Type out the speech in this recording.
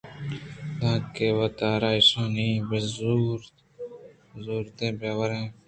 دانکہ واتری ءَ ایشاناں بُہ زورین ءُ بُہ وَرَیں